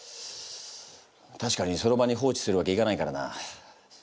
たしかにその場に放置するわけいかないからな。